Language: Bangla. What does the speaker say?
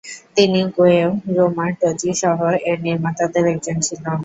তিনি গ্বয়েউ রোমাটজিহ এর নির্মাতাদের একজন ছিলেন।